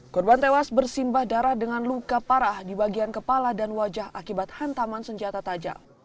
korban tewas bersimbah darah dengan luka parah di bagian kepala dan wajah akibat hantaman senjata tajam